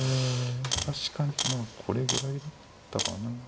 確かにまあこれぐらいあったかな。